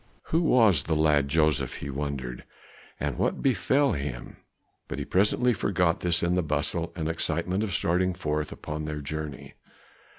Who was the lad Joseph, he wondered, and what befell him? But he presently forgot this in the bustle and excitement of starting forth upon their journey.